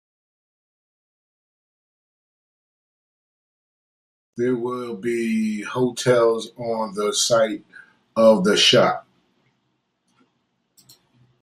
There would be hotels on the site of the shop.